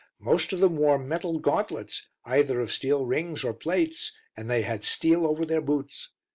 Most of them wore metal gauntlets, either of steel rings or plates, and they had steel over their boots.